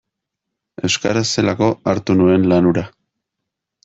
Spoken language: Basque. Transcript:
Euskaraz zelako hartu nuen lan hura.